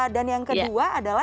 dan yang kedua adalah